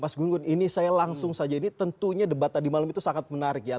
mas gun gun ini saya langsung saja ini tentunya debat tadi malam itu sangat menarik ya